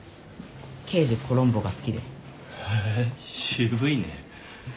『刑事コロンボ』が好きで。へ渋いね。